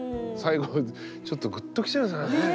最後ちょっとぐっときちゃいましたね。